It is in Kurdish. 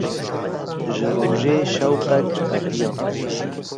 Ji rojê şewqek qetiya.